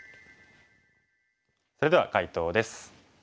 それでは解答です。